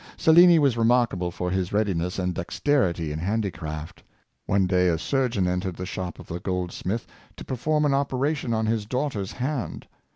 Cellini was remarka ble for his readiness and dexterity in handicraft. One day a surgeon entered the shop of a goldsmith, to per form an operation on his daughter's hand.